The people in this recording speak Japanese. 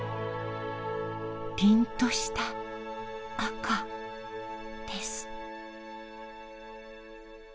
りんとした赤です。